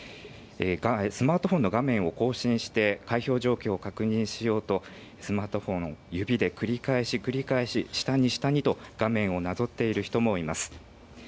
スマートフォンの画面を更新して、開票状況を確認しようと、スマートフォンを指で繰り返し繰り返し、下に下にと画面をなぞっている人もいます。